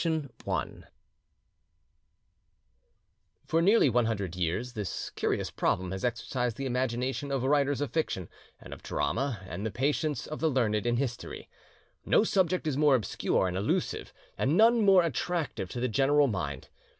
xxx]2759]) For nearly one hundred years this curious problem has exercised the imagination of writers of fiction—and of drama, and the patience of the learned in history. No subject is more obscure and elusive, and none more attractive to the general mind.